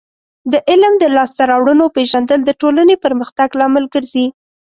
د علم د لاسته راوړنو پیژندل د ټولنې پرمختګ لامل ګرځي.